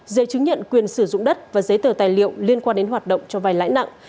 giấy chứng nhận quyền sử dụng đất và giấy tờ tài liệu liên quan đến hoạt động cho vai lãi nặng